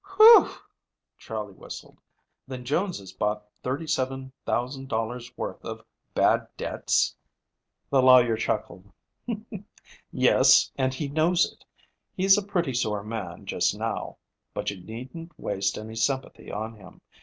"Whew!" Charley whistled. "Then Jones has bought $3,700 worth of bad debts?" The lawyer chuckled. "Yes, and he knows it. He's a pretty sore man just now. But you needn't waste any sympathy on him.